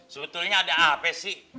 sebetulnya ada apa sih